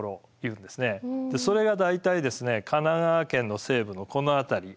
それが大体神奈川県の西部のこの辺り。